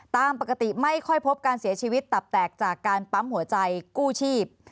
ตามปกติไม่ค่อยพบการเสียชีวิตตับแตกจากการปั๊มหัวใจกู้ชีพ